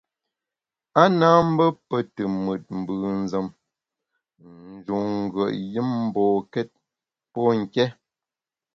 A na mbe pe te mùt mbùnzem, ń njun ngùet yùm mbokét pô nké.